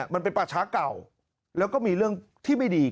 มันเป็นป่าช้าเก่าแล้วก็มีเรื่องที่ไม่ดี